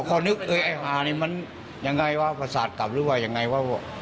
พอเขานึกเอ้ยไอ้ภาพนี้มันยังไงว่าภาษากลับหรือว่ายังไงว่า